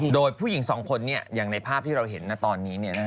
โดยผู้หญิงสองคนอย่างที่เราเห็นในภาพด้วย